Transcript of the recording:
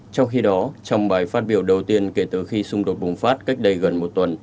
trong khi đó trong bài phát biểu đầu tiên kể từ khi xung đột bùng phát cách đây gần một tuần